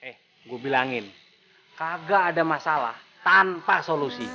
eh gue bilangin kagak ada masalah tanpa solusi